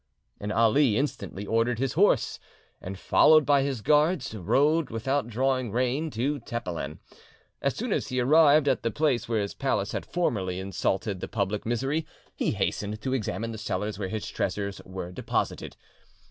Ali instantly ordered his horse, and, followed by his guards, rode without drawing rein to Tepelen. As soon as he arrived at the place where his palace had formerly insulted the public misery, he hastened to examine the cellars where his treasures were deposited.